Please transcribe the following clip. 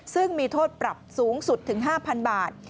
ซึ่งมีโทษปรับสูงสุดถึง๕๐๐๐บาท